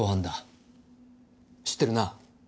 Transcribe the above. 知ってるな？